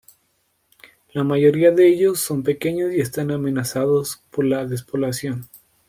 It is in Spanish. La mayoría de ellos son pequeños y están amenazados por la despoblación.